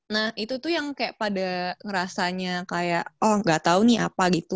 nah itu tuh yang kayak pada ngerasanya kayak oh gak tau nih apa gitu